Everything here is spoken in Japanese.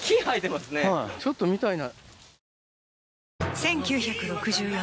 ちょっと見たいな。